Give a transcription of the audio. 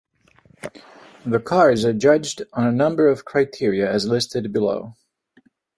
The cars are judged on a number of criteria as listed below.